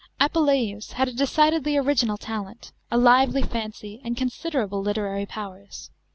Apnleius had a decidedly original talent, a lively fancy, and considerable literary powers.